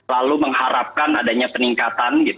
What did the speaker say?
lalu mengharapkan adanya peningkatan